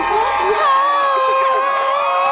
พี่สิทธิ์